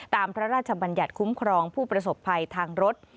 พระราชบัญญัติคุ้มครองผู้ประสบภัยทางรถ